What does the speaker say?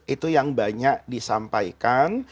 itu yang banyak disampaikan